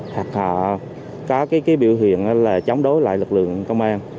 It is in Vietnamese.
hoặc họ có biểu hiện chống đối lại lực lượng công an